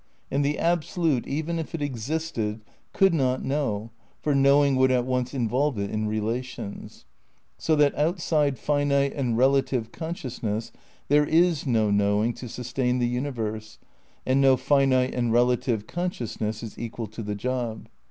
And the Absolute, even if it existed, could not know, for knowing would at once involve it in relations. So that outside finite and relative consciousness there is no knowing to sustain the universe, and no finite and relative consciousness is equal to the job.